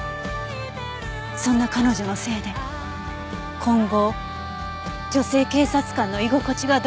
そんな彼女のせいで今後女性警察官の居心地がどれほど悪くなるか。